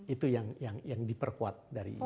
itu yang diperkuat dari